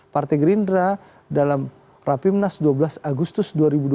partai gerindra dalam rapimnas dua belas agustus dua ribu dua puluh